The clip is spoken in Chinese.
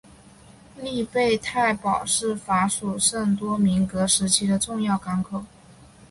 利贝泰堡是法属圣多明戈时期的重要港口。